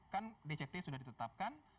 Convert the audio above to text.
kan dct sudah ditetapkan